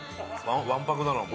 わんぱくだなお前。